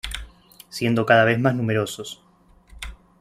Siendo cada vez más numerosos.